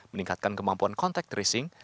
meningkatkan kemampuan kontak tracing